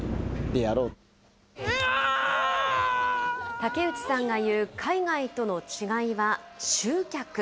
竹内さんがいう海外との違いは集客。